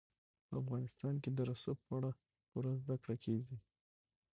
په افغانستان کې د رسوب په اړه پوره زده کړه کېږي.